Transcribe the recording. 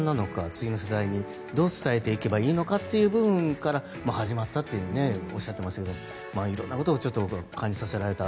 次の世代にどう伝えていけばいいかというところから始まったとおっしゃってましたが色んなことを感じさせられた